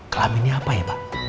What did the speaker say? kala miny apa ya pak